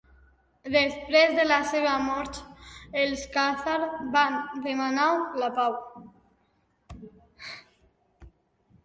Després de la seva mort, els khàzars van demanar la pau.